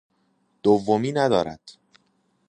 دومی ندارد.